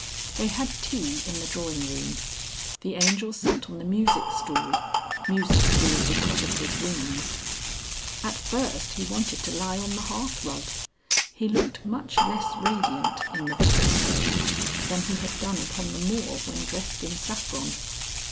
They had tea in the drawing room. The Angel sat on the music stool (music stool because of his wings). At first he wanted to lie on the hearthrug. He looked much less radiant in the Vicar's clothes, than he had done upon the moor when dressed in saffron.